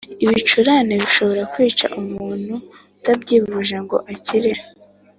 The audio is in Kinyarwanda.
Ibicurane bishobora kwica umuntu utabyivuje ngo abikire